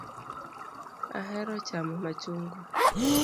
Ahero chamo machungwa.